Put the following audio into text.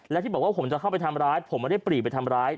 และที่บอกว่าผมจะเข้าไปทำร้ายผมไม่ได้ปรีไปทำร้าย